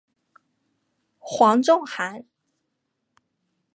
黄仲涵。